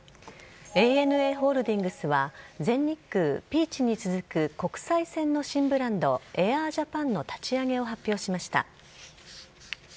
ＡＮＡホールディングスは、全日空、ピーチに続く、国際線の新ブランド、エアージャパンの立ち上げを発表しました。